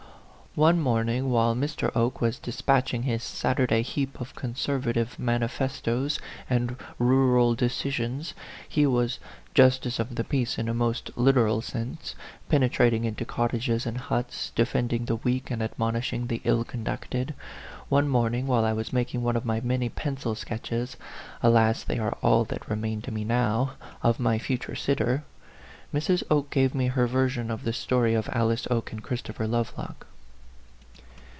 One morning while Mr. Oke was despatch ing his Saturday heap of conservative man ifestoes and rural decisions he was justice A PHANTOM LOVER. 51 of the peace in a most literal sense, penetrat ing into cottages and huts, defending the weak and admonishing the ill conducted one morning while I was making one of my many pencil sketches (alas, they are all that remain to me now !) of my future sitter, Mrs. Oke gave me her version of the story of Alice Oke and Christopher Lovelock.